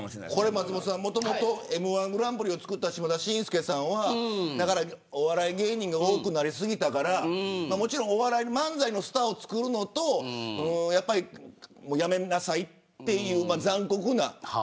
松本さん、もともとＭ‐１グランプリを作った島田紳助さんは、お笑い芸人が多くなり過ぎたから漫才のスターを作るのと辞めなさいという残酷な。